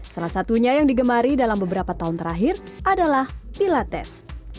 salah satunya yang digemari dalam beberapa tahun terakhir adalah pilates